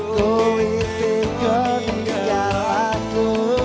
kau itu kuning galaku